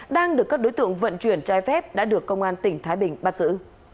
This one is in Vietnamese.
đang được các đối tượng vận chuyển trái phép đã được công an tỉnh thái bình bắt giữ